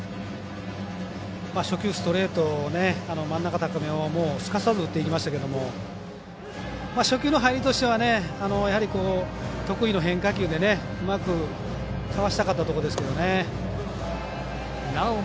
初球ストレート真ん中高めをすかさず打っていきましたけど初球の入りとしては得意の変化球でうまくかわしたかったところですけどね。